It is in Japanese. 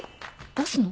出すの？